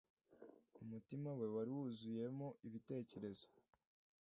Umutima we wari wuzuyemo ibitekerezo